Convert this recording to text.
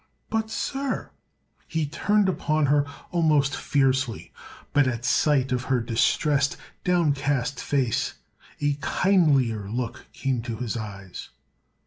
"But, sir—" He turned upon her almost fiercely, but at sight of her distressed, downcast face a kindlier look came to his eyes.